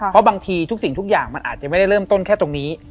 เพราะบางทีทุกสิ่งทุกอย่างมันอาจจะไม่ได้เริ่มต้นแค่ตรงนี้